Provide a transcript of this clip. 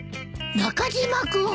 中島君。